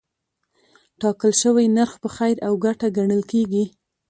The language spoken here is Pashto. ټاکل شوی نرخ په خیر او ګټه ګڼل کېږي.